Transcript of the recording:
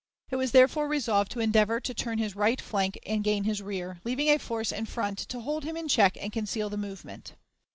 It was therefore resolved to endeavor to turn his right flank and gain his rear, leaving a force in front to hold him in check and conceal the movement.